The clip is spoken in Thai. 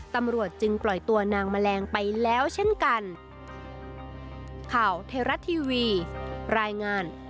ตำรวจจึงปล่อยตัวนางแมลงไปแล้วเช่นกัน